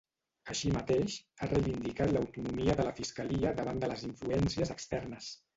Així mateix, ha reivindicat l’autonomia de la fiscalia davant de les influències externes.